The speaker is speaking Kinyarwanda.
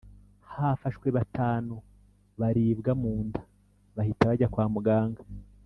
hafashwe batanu baribwa mu nda bahita bajya kwa muganga